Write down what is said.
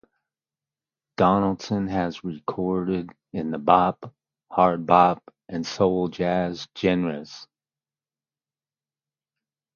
Donaldson has recorded in the bop, hard bop, and soul jazz genres.